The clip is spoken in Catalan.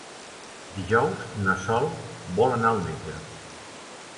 Dijous na Sol vol anar al metge.